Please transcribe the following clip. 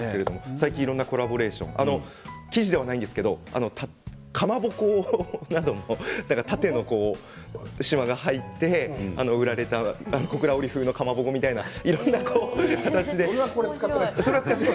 最近いろんなコラボレーション生地ではないんですがかまぼこなども縦のしまが入って売られた小倉織風のかまぼこみたいないろんな形で。